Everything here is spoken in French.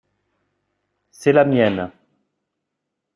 C’est la mienne.